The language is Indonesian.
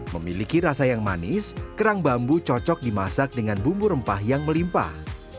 memiliki rasa yang manis kerang bambu cocok dimasak dengan bumbu rempah yang melimpah